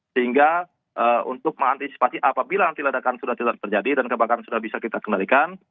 sehingga untuk mengantisipasi apabila antiladakan sudah terjadi dan kebakaran sudah bisa kita kembalikan